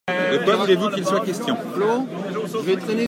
De quoi voulez-vous qu’il soit question ?